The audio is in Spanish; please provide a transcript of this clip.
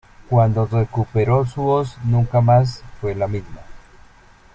Cuando recuperó su voz, nunca más fue la misma.